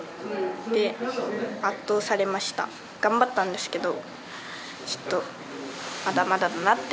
頑張ったんですけど。